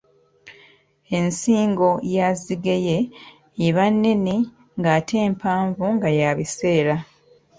Ensingo ya zigeye eba nnene ngate mpanvu nga ya biseera.